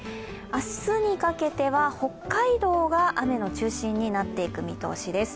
明日にかけては北海道が雨の中心になっていく見通しです。